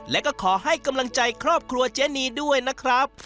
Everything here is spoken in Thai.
และก็ขอให้กำลังใจครอบครัวเจนีด้วยนะครับ